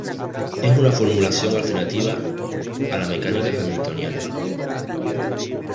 Es una formulación alternativa a la mecánica hamiltoniana.